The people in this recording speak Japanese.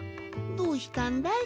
どうしたんだい？